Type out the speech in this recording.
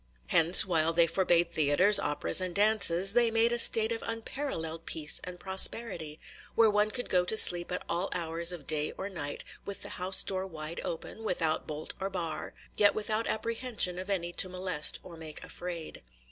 Hence, while they forbade theatres, operas, and dances, they made a state of unparalleled peace and prosperity, where one could go to sleep at all hours of day or night with the house door wide open, without bolt or bar, yet without apprehension of any to molest or make afraid.